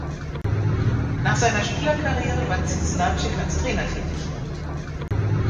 Nach seiner Spielerkarriere war Cieslarczyk als Trainer tätig.